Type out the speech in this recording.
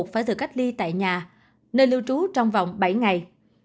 phải được cách ly tại nhà nên lưu trú trong vòng bảy ngày